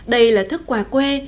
đây là thức quà quê